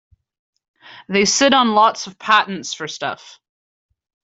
They sit on lots of patents for stuff.